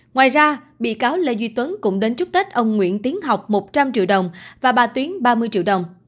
ngoài ra bị cáo lê duy tuấn cũng đến chúc tết ông nguyễn tiến học một trăm linh triệu đồng và bà tuyến ba mươi triệu đồng